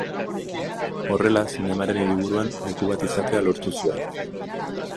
Horrela, zinemaren hiriburuan leku bat izatea lortu zuen.